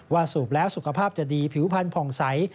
สูบแล้วสุขภาพจะดีผิวพันธ์ผ่องใส